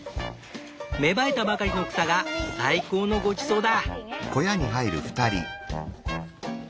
芽生えたばかりの草が最高のごちそうだ。